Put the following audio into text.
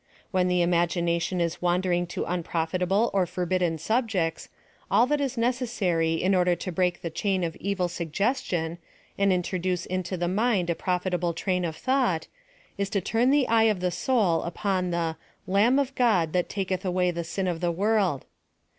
When the imagination is wander ing to unprofitable or forbidden subjects, all that is necessary in order to break the chain of evil sugges tion, and introduce into the mind a profitable train of thought, is to turn the eye of the soul upon the "Lamb of God that taketh away the sin of the world."